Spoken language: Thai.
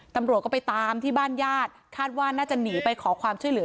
ตำรวจก็ไปตามที่บ้านญาติคาดว่าน่าจะหนีไปขอความช่วยเหลือ